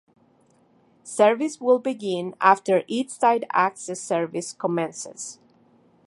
Service will begin after East Side Access service commences.